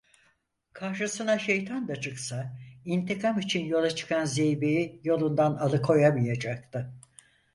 Karşısına şeytan da çıksa, intikam için yola çıkan zeybeği yolundan alıkoyamayacaktı.